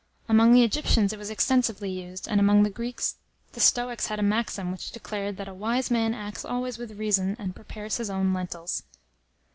Among the Egyptians it was extensively used, and among the Greeks, the Stoics had a maxim, which declared, that "a wise man acts always with reason, and prepares his own lentils."